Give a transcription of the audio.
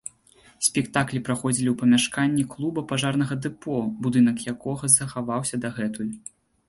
Спектаклі праходзілі ў памяшканні клуба пажарнага дэпо, будынак якога захаваўся дагэтуль.